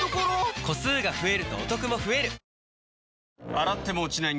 洗っても落ちない